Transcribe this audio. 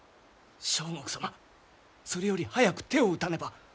相国様それより早く手を打たねば。